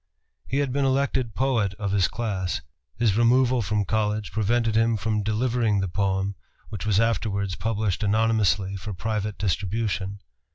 He had been elected poet of his class. His removal from college prevented him from delivering the poem which was afterwards published anonymously for private distribution.